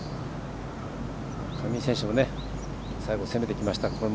上井選手も最後攻めてきました。